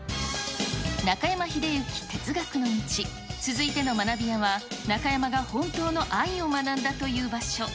中山秀征哲学の道続いての学びやは、中山が本当の愛を学んだという場所。